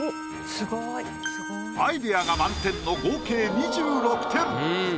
アイデアが満点の合計２６点。